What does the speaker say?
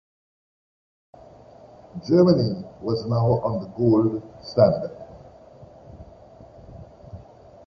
Germany was now on the gold standard.